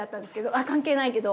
あっ関係ないけど。